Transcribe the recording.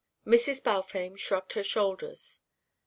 Mrs. Balfame shrugged her shoulders.